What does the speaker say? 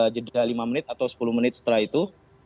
jeda lima menit atau sepuluh menit setelah itu